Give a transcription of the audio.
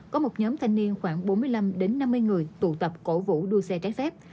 có một nhóm thanh niên khoảng bốn mươi năm năm mươi người tụ tập cổ vũ đua xe trái phép